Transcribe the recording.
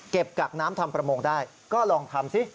กักน้ำทำประมงได้ก็ลองทำสิ